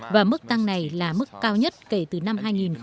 và mức tăng này là mức cao nhất kể từ năm hai nghìn một mươi